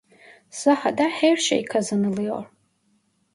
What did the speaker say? Sahada her şey kazanılıyor.